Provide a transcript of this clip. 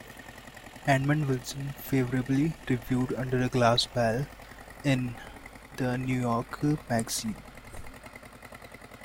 Edmund Wilson favorably reviewed "Under a Glass Bell" in "The New Yorker" magazine.